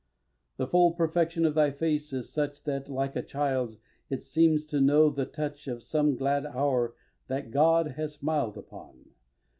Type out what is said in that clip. xii. The full perfection of thy face is such That, like a child's, it seems to know the touch Of some glad hour that God has smiled upon.